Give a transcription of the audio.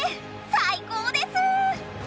最高です！